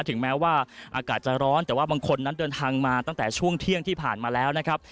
ถึงแม้ว่าอากาศจะร้อนแต่ว่าบางคนนั้นเดินทางมาตั้งแต่ช่วงเที่ยงที่ผ่านมาแล้วนะครับ